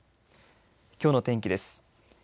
きょうの天気です。